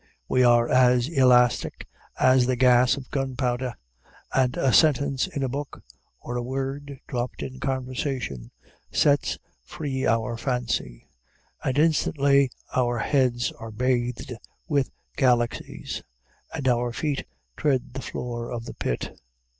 We are as elastic as the gas of gunpowder, and a sentence in a book or a word dropped in conversation sets free our fancy, and instantly our heads are bathed with galaxies, and our feet tread the floor of the pit.